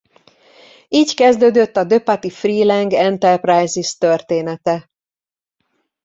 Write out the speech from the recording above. Így kezdődött a DePatie-Freleng Enterprises története.